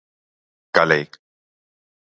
Calei.